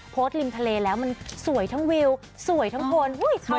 โพสต์ริมทะเลแล้วมันสวยทั้งวิวสวยทั้งโทนเขากันไปหมด